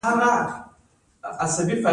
دا خاوره برکتي ده.